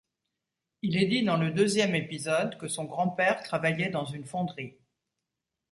Il est dit dans le deuxième épisode que son grand-père travaillait dans une fonderie.